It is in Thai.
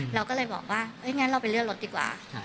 เราก็เลยบอกว่างั้นเราไปเลื่อนรถดีกว่า